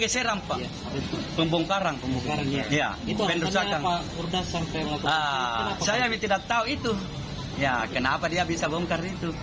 saya tidak tahu itu ya kenapa dia bisa bongkar itu